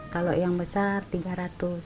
kalau yang besar rp tiga ratus